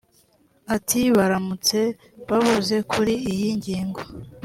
Ati “ Baramutse bavuze kuri iyi ngingo